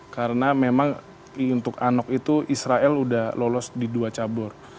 karena memang untuk anok itu israel sudah lolos di dua cabur